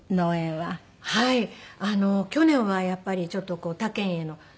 はいあの去年はやっぱりちょっとこう他県への。